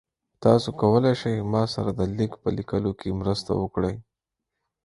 تاسو کولی شئ ما سره د لیک په لیکلو کې مرسته وکړئ؟